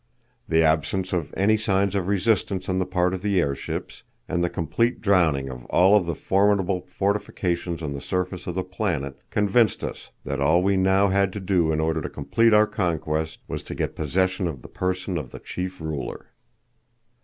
The absence of any signs of resistance on the part of the airships, and the complete drowning of all of the formidable fortifications on the surface of the planet, convinced us that all we now had to do in order to complete our conquest was to get possession of the person of the chief ruler.